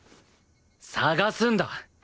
捜すんだ！